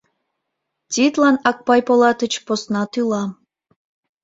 Тидлан Акпай Полатыч посна тӱла.